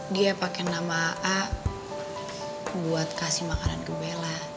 dia pake nama aa buat kasih makanan ke bella